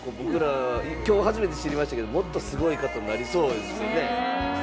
今日、初めて知りましたけど、もっとすごいことになりそうですね。